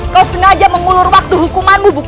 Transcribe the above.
kau sengaja mengulur waktu hukumanmu